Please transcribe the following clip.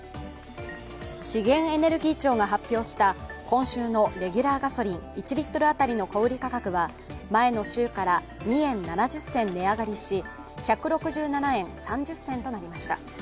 資源エネルギー庁が発表した今週のレギュラーガソリン１リットルあたりの小売価格は前の週から２円７０銭値上がりし、１６７円３０銭となりました。